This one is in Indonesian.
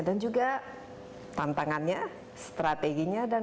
dan juga tantangannya strateginya